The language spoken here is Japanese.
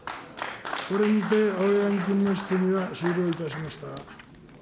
これにて青柳君の質疑は終了いたしました。